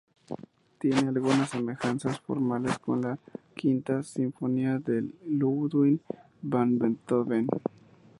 Tiene algunas semejanzas formales con la Quinta Sinfonía de Ludwig van Beethoven.